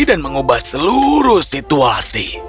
dan mengubah seluruh situasi